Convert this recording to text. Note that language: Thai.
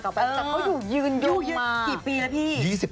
แต่ก็อยู่ยืนยงมา